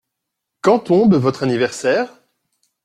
Quand tombe votre anniversaire ?